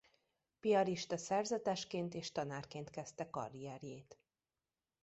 Piarista szerzetesként és tanárként kezdte karrierjét.